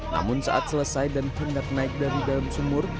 namun saat selesai dan hendak naik dari dalam sumur